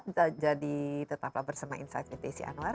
kita jadi tetaplah bersama insight pt sianwar